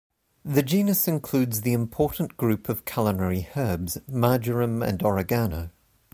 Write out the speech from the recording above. The genus includes the important group of culinary herbs: marjoram and oregano.